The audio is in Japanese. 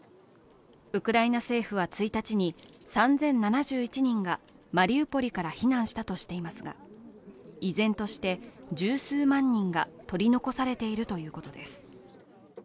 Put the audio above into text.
ウクライナ政府は１日に３０７１人がマリウポリから避難したとしていますが依然として十数万人が取り残されているということです。